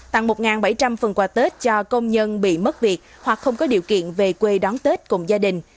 tặng một bảy trăm linh phần quà tết cho công nhân bị mất việc hoặc không có điều kiện về quê đón tết cùng gia đình